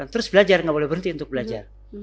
terus belajar nggak boleh berhenti untuk belajar